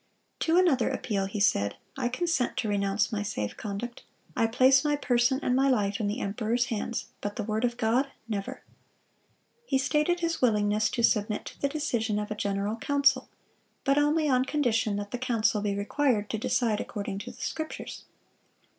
(233) To another appeal he said, "I consent to renounce my safe conduct. I place my person and my life in the emperor's hands, but the word of God—never!"(234) He stated his willingness to submit to the decision of a general council, but only on condition that the council be required to decide according to the Scriptures.